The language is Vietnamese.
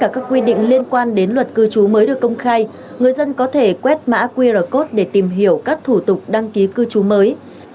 khi đăng ký thương trú mới được công khai người dân có thể quét mã qr code để tìm hiểu các thủ tục đăng ký cư trú mới